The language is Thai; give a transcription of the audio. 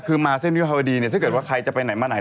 คือมาเส้นวิภาวดีเนี่ยถ้าเกิดว่าใครจะไปไหนมาไหน